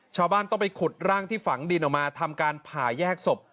ชาวบ้านต้องไปขุดร่างที่ฝังดินออกมาทำการผ่าแยกศพ